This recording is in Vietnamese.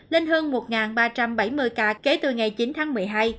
lên hơn một ba trăm bảy mươi ca kể từ ngày chín tháng một mươi hai